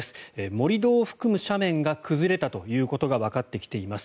盛り土を含む斜面が崩れたということがわかってきています。